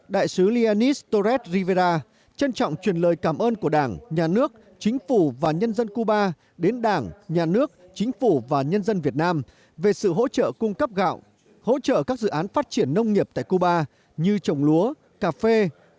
đại sứ leanis torres rivera trân trọng truyền lời cảm ơn của đảng nhà nước chính phủ và nhân dân cuba đến đảng nhà nước chính phủ và nhân dân việt nam về sự hỗ trợ cung cấp gạo hỗ trợ các dự án phát triển nông nghiệp tại cuba như trồng lúa cà phê